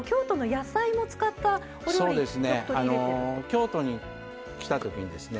京都に来た時にですね